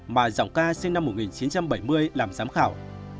mà giọng ca sinh năm một nghìn chín trăm bảy mươi làm giám khảo